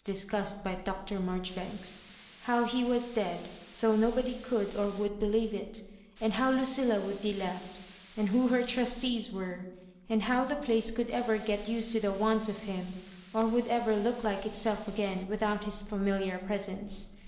discussed but Dr. Marjoribanks — how he was dead, though nobody could or would believe it; and howLuciUa wouM be left, and who her trus tees were, and how the place could ever get used to the want of him, or would ever look like itself again without his familiar presence.